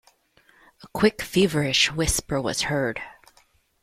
A quick, feverish whisper was heard.